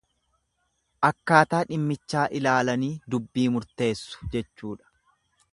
Akkaataa dhimmichaa ilaalanii dubbii murteessu jechuudha.